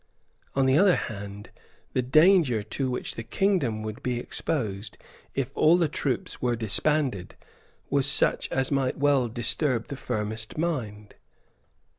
On the other hand, the danger to which the kingdom would be exposed if all the troops were disbanded was such as might well disturb the firmest mind.